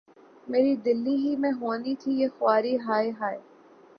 میری‘ دلی ہی میں ہونی تھی یہ خواری‘ ہائے ہائے!